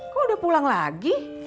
kok udah pulang lagi